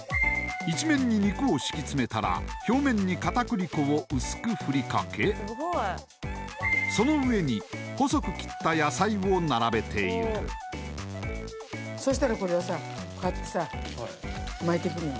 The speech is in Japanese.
一面に肉を敷きつめたら表面に片栗粉を薄くふりかけその上に細く切った野菜を並べていくそうそう